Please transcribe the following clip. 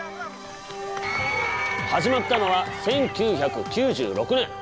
始まったのは１９９６年。